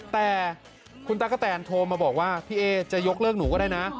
แต่คุณตั๊กกะแตนโทรมาบอกว่าพี่เอจะยกเลิกหนูก็ได้นะ